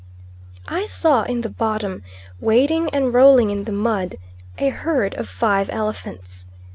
I saw in the bottom, wading and rolling in the mud, a herd of five elephants.